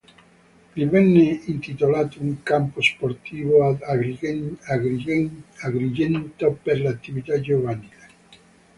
Gli venne intitolato un campo sportivo ad Agrigento per l'attività giovanile..